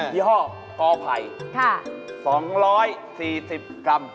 ยี่ห้อกอไพรค่ะค่ะ๒๔๐กรัม